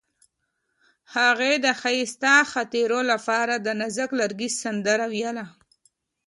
هغې د ښایسته خاطرو لپاره د نازک لرګی سندره ویله.